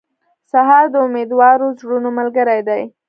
سهار د امیدوارو زړونو ملګری دی.